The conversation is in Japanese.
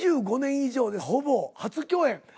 ２５年以上でほぼ初共演。